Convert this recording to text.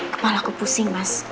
kepala aku pusing mas